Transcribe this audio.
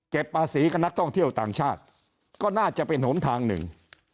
ภาษีกับนักท่องเที่ยวต่างชาติก็น่าจะเป็นหนทางหนึ่ง